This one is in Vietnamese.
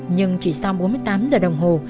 nhưng chỉ sau bốn mươi tám giờ đồng hồ